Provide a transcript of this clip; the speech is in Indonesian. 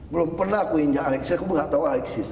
belum pernah aku injak alexis aku nggak tahu alexis